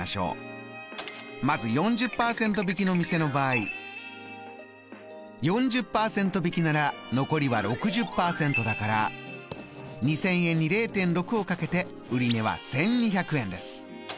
まず４０％引きの店の場合４０％引きなら残りは６０％だから２０００円に０．６を掛けて売値は１２００円です。